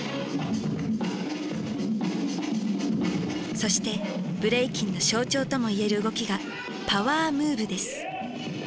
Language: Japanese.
そしてブレイキンの象徴ともいえる動きが「パワームーブ」です。